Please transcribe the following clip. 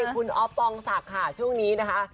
คุณอ๊อฟปองศักดิ์ค่ะช่วงนี้นะคะ